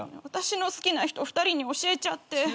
私の好きな人２人に教えちゃって。